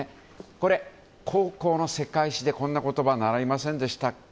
これ、高校の世界史でこんな言葉習いませんでしたか？